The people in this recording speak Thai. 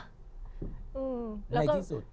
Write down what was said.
ในที่สุด